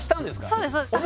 そうですそうです。